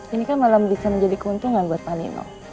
ini kan malam bisa menjadi keuntungan buat pak nino